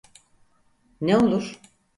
Ne olur?